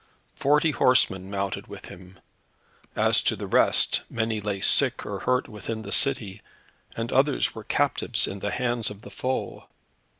Forty horsemen mounted with him; as to the rest, many lay sick or hurt within the city, and others were captives in the hands of the foe.